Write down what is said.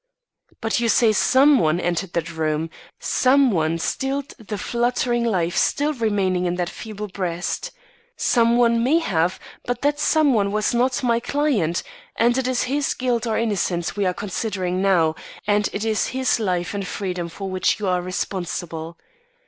"But you say, some one entered that room some one stilled the fluttering life still remaining in that feeble breast. Some one may have, but that some one was not my client, and it is his guilt or innocence we are considering now, and it is his life and freedom for which you are responsible.